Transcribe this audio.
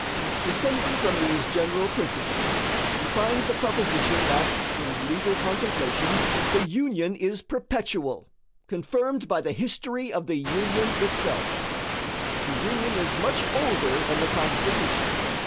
Descending from these general principles, we find the proposition that in legal contemplation the Union is perpetual confirmed by the history of the Union itself. The Union is much older than the Constitution.